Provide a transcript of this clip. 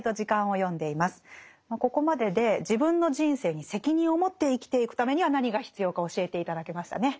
ここまでで自分の人生に責任を持って生きていくためには何が必要か教えて頂けましたね。